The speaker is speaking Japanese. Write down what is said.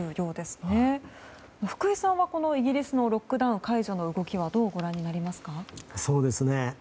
福井さんはイギリスのロックダウン解除の動きはどうご覧になりますか？